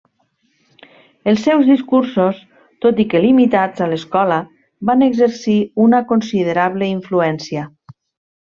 Els seus discursos, tot i que limitats a l'escola, van exercir una considerable influència.